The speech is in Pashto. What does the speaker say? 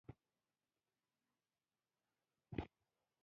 هغومره ورسره یو هېواد بېوزله کېږي.